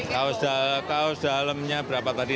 kaos dalemnya berapa tadi